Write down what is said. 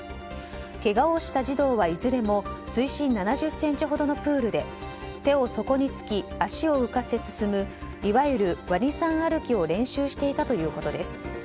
けがをした児童は、いずれも水深７０ｃｍほどのプールで手を底につき、足を浮かせ進むいわゆる、わにさん歩きを練習していたということです。